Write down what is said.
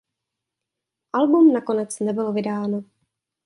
Album nakonec nebylo vydáno.